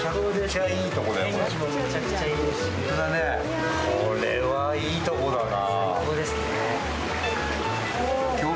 これはいい所だな。